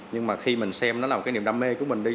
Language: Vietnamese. nhưng mà khi mình xem nó là một cái niềm đam mê của mình đi